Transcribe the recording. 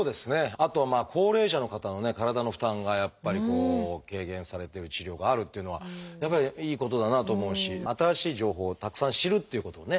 あとは高齢者の方のね体の負担がやっぱりこう軽減されてる治療があるっていうのはやっぱりいいことだなと思うし新しい情報をたくさん知るっていうこともね